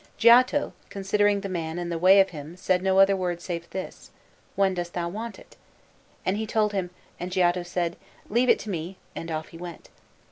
Giotto, considering the man and the way of him, said no other word save this, 'When dost thou want it?' And he told him; and Giotto said, 'Leave it to me'; and off he went.